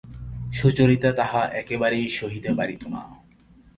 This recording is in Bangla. সুচরিতা তাহা একেবারেই সহিতে পারিত না।